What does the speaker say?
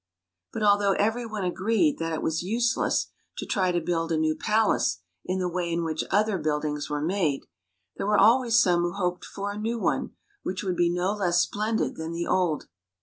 But although every one agreed that it was useless to try to build a new palace in the way in which other buildings were made, there were always some who hoped for a new one which should be no less splendid than the old.